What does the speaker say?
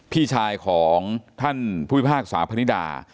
พี่ชายของท่านผู้พิพากษาพนิดา